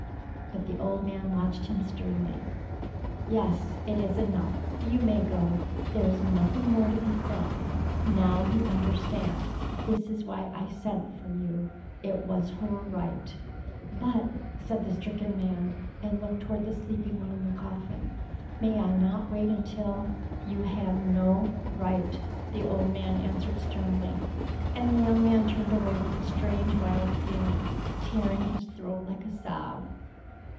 But the old man watched him sternly. "Yes, it is enough. You may go. There is nothing more to be said. Now you understand. This is why I sent for you. It was her right." "But," said the stricken man, and looked toward the sleeping one in the coffin, "may I not wait until——" "You have no right," the old man answered sternly, and the young man turned away with a strange wild feeling tearing his throat like a sob.